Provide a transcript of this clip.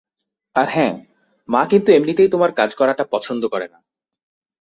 আর হ্যাঁঁ, মা কিন্তু এমনিতেই তোমার কাজ করাটা পছন্দ করে না।